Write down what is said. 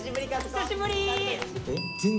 久しぶり！